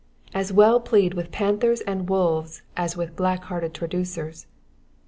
As well plead with panthers and wolves as with black hearted traducers.